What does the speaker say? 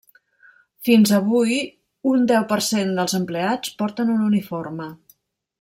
Fins avui, un deu per cent dels empleats porten un uniforme.